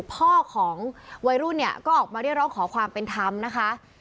พ่อของวัยรุ่นเนี่ยก็ออกมาเรียกร้องขอความเป็นธรรมนะคะ